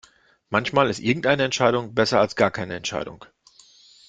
Manchmal ist irgendeine Entscheidung besser als gar keine Entscheidung.